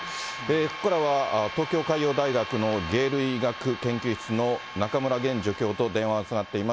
ここからは東京海洋大学の鯨類学研究室の中村玄助教と、電話がつながっています。